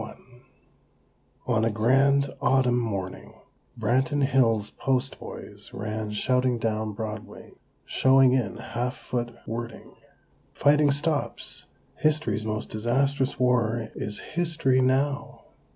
XXXI On a grand autumn morning Branton Hills' "Post" boys ran shouting down Broadway, showing in half foot wording: "FIGHTING STOPS!! HISTORY'S MOST DISASTROUS WAR IS HISTORY NOW!!!"